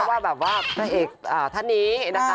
ว่าแบบว่าพระเอกท่านนี้นะคะ